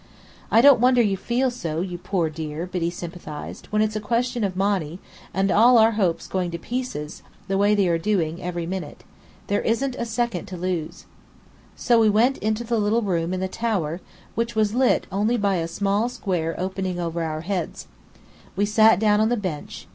"I don't wonder you feel so, you poor dear," Biddy sympathized, "when it's a question of Monny, and all our hopes going to pieces the way they are doing, every minute. There isn't a second to lose." So we went into the little room in the tower, which was lit only by a small square opening over our heads. We sat down on the bench.